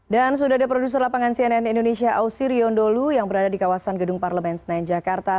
dan sudah ada produser lapangan cnn indonesia ausi riondolu yang berada di kawasan gedung parlemen senayan jakarta